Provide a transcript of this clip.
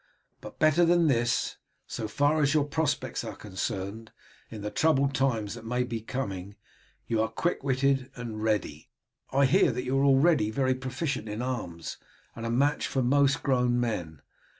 But better than this, so far as your prospects are concerned in the troubled times that may be coming, you are quick witted and ready. I hear that you are already very proficient in arms, and a match for most grown men.